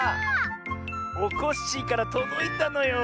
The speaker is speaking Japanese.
おこっしぃからとどいたのよ。